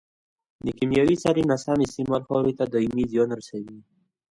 د کيمیاوي سرې ناسم استعمال خاورې ته دائمي زیان رسوي.